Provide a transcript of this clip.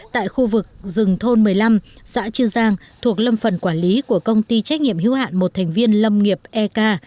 tại khu vực rừng thôn một mươi năm xã chư giang thuộc lâm phần quản lý của công ty trách nhiệm hữu hạn một thành viên lâm nghiệp ek